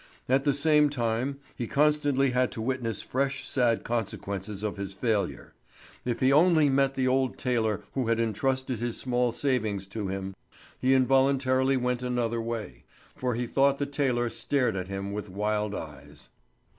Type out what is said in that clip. At the same time he constantly had to witness fresh sad consequences of his failure. If he only met the old tailor who had entrusted his small savings to him, he involuntarily went another way; for he thought the tailor stared at him with wild eyes.